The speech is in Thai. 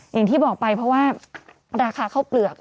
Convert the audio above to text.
อย่างที่บอกไปเพราะว่าราคาข้าวเปลือก